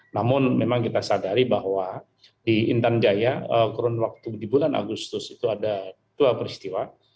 namun memang kita sadari bahwa di intan jaya kurun waktu di bulan agustus itu ada dua peristiwa